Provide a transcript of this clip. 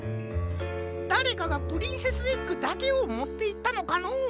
だれかがプリンセスエッグだけをもっていったのかのう？